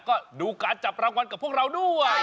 ต้องกดการจับรางวัลด้วย